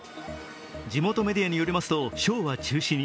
地元メディアによりますとショーは中止に。